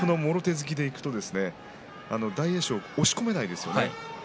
突きでいくと大栄翔は押し込めないんですよね。